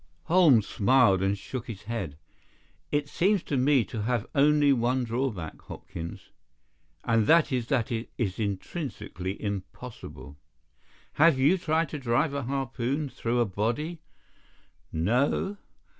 Holmes smiled and shook his head. "It seems to me to have only one drawback, Hopkins, and that is that it is intrinsically impossible. Have you tried to drive a harpoon through a body? No?